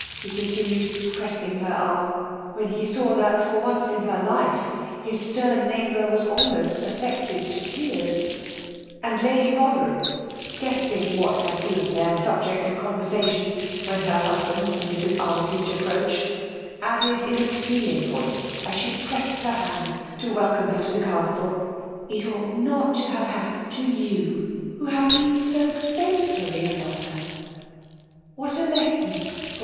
*' he continued^ prosing 1^ asroh'Hvhen he saw that, for once in her life/ his stem neighbour was almost affiscted to t^ai^ ; and Lady Bothcrham, gdessing what IunI been their subject of conrersatioD wheik hef' Imsband and Mrs. Armytage approached, addfd m a fe^ng Toice, as she pressed her' l^dsio wdeome bear Co the Castle —*' It ought not i& hate kappened to you, who have been SO' Ajcemfrfary a mother t ^ /rWhai a lenen for Mrift.